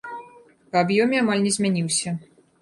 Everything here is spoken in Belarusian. Па аб'ёме амаль не змяніўся.